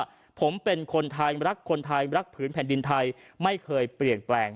ว่าผมเป็นคนไทยรักคนไทยรักผืนแผ่นดินไทยไม่เคยเปลี่ยนแปลง